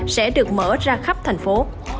sẽ được mở ra khắp thành phố